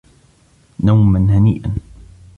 نوما هنيئا.